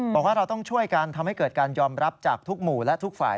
บอกว่าเราต้องช่วยกันทำให้เกิดการยอมรับจากทุกหมู่และทุกฝ่าย